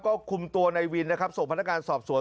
ก็คุมตัวในวินนะครับส่งพนักงานสอบสวน